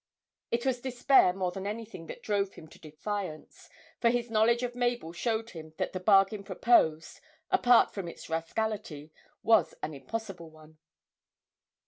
It was despair more than anything that drove him to defiance, for his knowledge of Mabel showed him that the bargain proposed, apart from its rascality, was an impossible one.